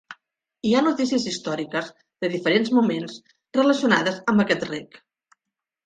Hi ha notícies històriques de diferents moments relacionades amb aquest rec.